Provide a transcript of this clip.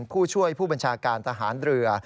ผู้ช่วยผู้บัญชาการทหารเรือ